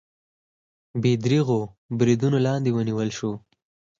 بې درېغو بریدونو لاندې ونیول شول